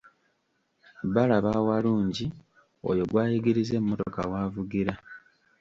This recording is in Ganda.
Balaba awalungi, oyo gw'ayigiriza emmotoka w'avugira.